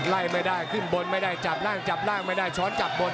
ไล่ไม่ได้ขึ้นบนไม่ได้จับร่างจับร่างไม่ได้ช้อนจับบน